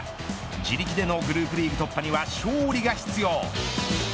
自力でのグループリーグ突破には勝利が必要。